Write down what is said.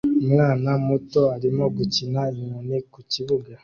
Umwana muto arimo gukina inkoni ku kibuga